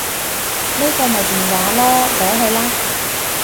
呢個咪電話囉，攞去啦